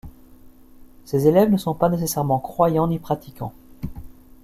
Ces élèves ne sont pas nécessairement croyants ni pratiquants.